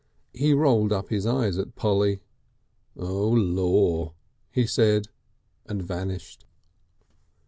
He rolled up his eyes at Polly. "Oh Lor!" he said and vanished.